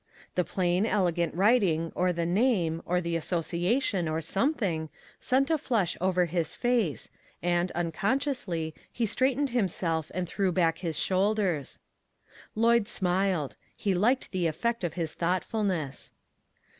The plain, elegant writing, or the name, or the association, or something, sent a flush over his face, and unconsciously, he straight ened himself, and threw back his shoulders. Lloyd smiled. He liked the effect of his thoughtfulness.